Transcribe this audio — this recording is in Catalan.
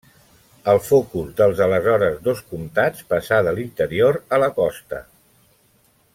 El focus dels aleshores dos comtats passà de l'interior a la costa.